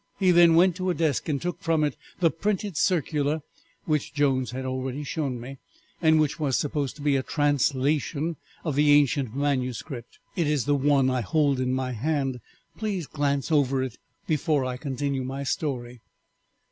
He then went to a desk and took from it the printed circular which Jones had already shown me, and which was supposed to be a translation of the ancient manuscript. It is the one I hold in my hand; please glance over it before I continue my story."